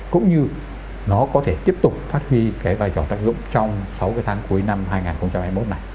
cũng như nó có thể tiếp tục phát huy cái vai trò tác dụng trong sáu cái tháng cuối năm hai nghìn hai mươi một này